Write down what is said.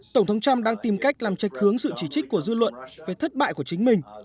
tổng thống trump đang tìm cách làm trạch hướng sự chỉ trích của dư luận về thất bại của chính mình